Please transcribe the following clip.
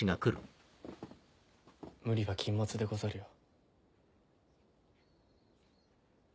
無理は禁物でござるよ。